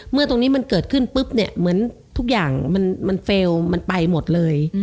เมื่อตรงนี้มันเกิดขึ้นปุ๊บเนี่ยเหมือนทุกอย่างมันเฟลล์มันไปหมดเลย